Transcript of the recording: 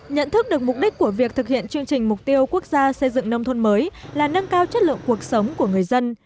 nhận thức được mục đích của việc thực hiện chương trình mục tiêu quốc gia xây dựng nông thôn mới là nâng cao chất lượng cuộc sống của người dân